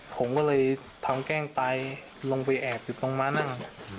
ผมก็เลยทำแกล้งตายลงไปแอบอยู่ตรงม้านั่ง